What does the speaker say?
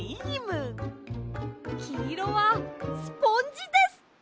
きいろはスポンジです！